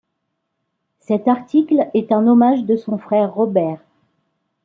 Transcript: Cet article est un hommage de son frère Robert.